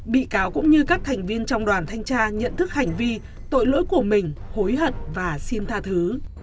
bị cáo cũng như các thành viên trong đoàn thanh tra nhận thức hành vi tội lỗi của mình hối hận và xin tha thứ